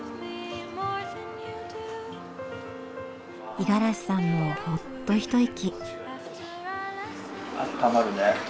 五十嵐さんもほっと一息。